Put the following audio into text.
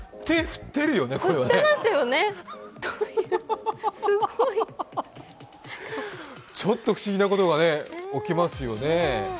振ってますよね、すごいちょっと不思議なことが起きますよね。